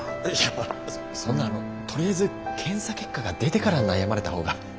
いやそんなとりあえず検査結果が出てから悩まれた方が。